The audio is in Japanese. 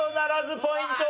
ポイントは？